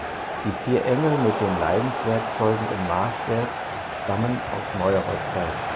Die vier Engel mit den Leidenswerkzeugen im Maßwerk stammen aus neuerer Zeit.